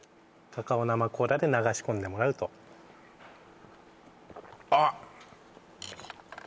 カカオ生コーラで流し込んでもらうとあっ